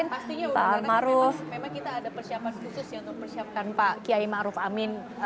pastinya karena memang kita ada persiapan khusus ya untuk persiapkan pak kiai ⁇ maruf ⁇ amin